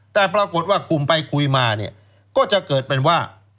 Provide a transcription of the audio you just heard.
แต่ปรากฏว่ากลุ่มไปคุยมาเนี่ยก็จะเกิดเป็นว่า